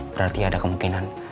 berarti ada kemungkinan